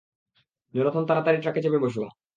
Jonathan, তাড়াতাড়ি ট্রাকে চেপে বসো!